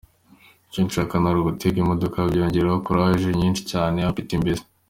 Iyo nshaka nari gutega imodoka! Byongera ‘courage’ nyinshi cyane, ‘appetit’ mbese!”.